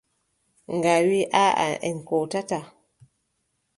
Nga wii: aaʼa en kootataa.